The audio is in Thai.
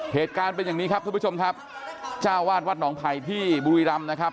เหตุการณ์เป็นอย่างนี้ครับทุกผู้ชมครับจ้าวาดวัดหนองไผ่ที่บุรีรำนะครับ